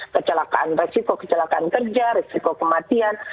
kecelakaan resiko kecelakaan kerja risiko kematian